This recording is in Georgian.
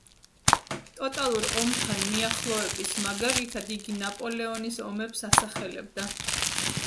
ტოტალურ ომთან მიახლოების მაგალითად იგი ნაპოლეონის ომებს ასახელებდა.